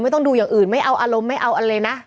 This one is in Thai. ต้องดูอย่างอื่นไม่เอาอารมณ์ไม่เอาอะไรนะ